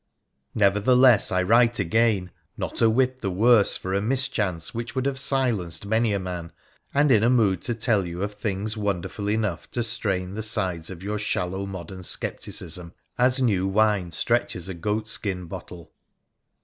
Nevertheless, I write again, not a whit the worse for a miachance which would have silenced many a man, and in a mood to tell you 01 things wonderful enough to strain the sides of your shallow modern scepticism, as new wine stretches a goat skin bottle.